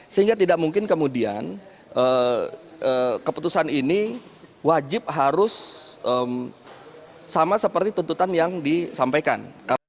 sehingga tidak mungkin kemudian keputusan ini wajib harus sama seperti tuntutan yang disampaikan